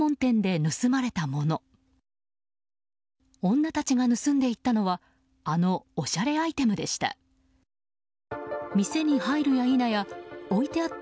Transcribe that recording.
女たちが盗んでいったのはあの、おしゃれアイテムでした。